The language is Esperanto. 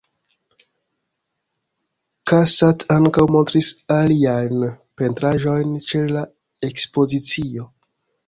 Cassatt ankaŭ montris aliajn pentraĵojn ĉe la Ekspozicio.